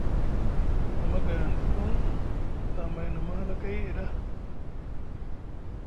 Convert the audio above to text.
Amma gay hanɗa paŋ, tamay na mahalakay e ɗa.